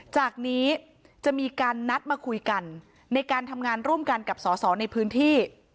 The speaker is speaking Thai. จากนี้จะมีการนัดมาคุยกันในการทำงานร่วมกันกับสอสอในพื้นที่